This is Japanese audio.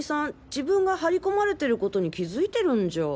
自分が張り込まれてることに気づいてるんじゃ。